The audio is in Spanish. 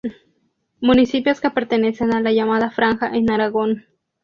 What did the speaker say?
Municipios que pertenecen a la llamada "franja" en Aragón.